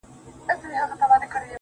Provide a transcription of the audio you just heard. o ژړا، سلگۍ زما د ژوند د تسلسل نښه ده.